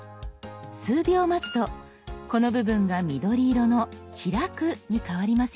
数秒待つとこの部分が緑色の「開く」に変わりますよ。